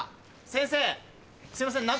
先生すいません中。